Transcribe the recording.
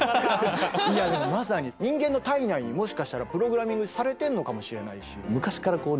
いやでもまさに人間の体内にもしかしたらプログラミングされてんのかもしれないし。